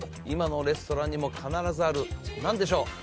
今のレストランにも必ずある何でしょう？